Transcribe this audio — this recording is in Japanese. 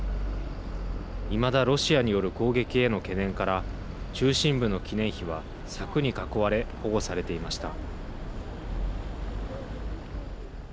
いまだロシアによる攻撃への懸念から中心部の記念碑は、柵に囲われ保護されていました。